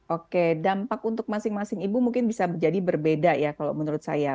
oke dampak untuk masing masing ibu mungkin bisa jadi berbeda ya kalau menurut saya